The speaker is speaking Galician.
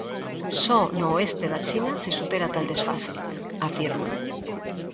Só no oeste da China se supera tal desfase, afirma.